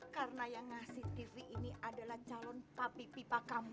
karena yang ngasih tv ini adalah calon papi pipa kamu